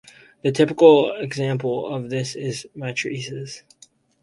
The typical example of this is matrices.